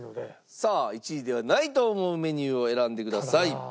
さあ１位ではないと思うメニューを選んでください。